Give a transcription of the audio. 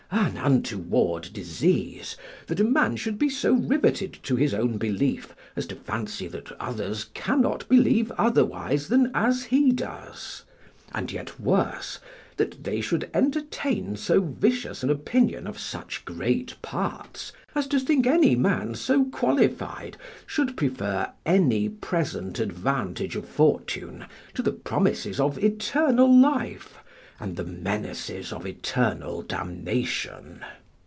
An untoward disease, that a man should be so riveted to his own belief as to fancy that others cannot believe otherwise than as he does; and yet worse, that they should entertain so vicious an opinion of such great parts as to think any man so qualified, should prefer any present advantage of fortune to the promises of eternal life and the menaces of eternal damnation.